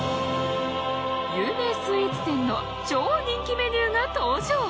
有名スイーツ店の超人気メニューが登場！